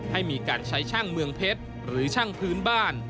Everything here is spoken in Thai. ให้มีการใช้ช่างเมืองเพชรหรือช่างพื้นบ้าน